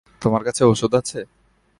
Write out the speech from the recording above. তোমার কাছে ওষুধ আছে?